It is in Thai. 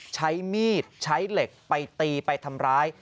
ใช้มีดใช้เหล็กไปตีไปทำร้าย